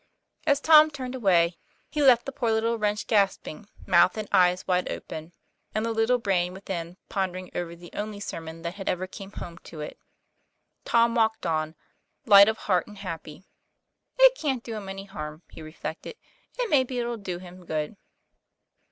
As Tom turned away, he left the poor little wretch gasping, mouth and eyes wide open, and the little brain within pondering over the only sermon that had ever came home to it. Tom walked on, light of heart and happy. "It can't do him any harm," he reflected, u and maybe it'll do him good."